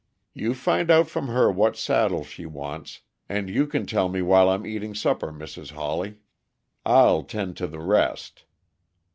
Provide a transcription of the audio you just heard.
You find out from her what saddle she wants, and you can tell me while I'm eating supper, Mrs. Hawley. I'll 'tend to the rest."